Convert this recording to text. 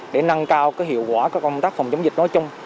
để năng cao cái hiệu quả của công tác phòng chống dịch nói chung